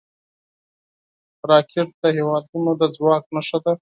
راکټ د هیوادونو د ځواک نښه ده